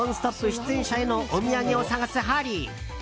出演者へのお土産を探すハリー。